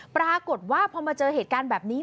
ปรากฏว่าพอมาเจอเหตุการณ์แบบนี้